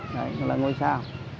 đây là ngôi sao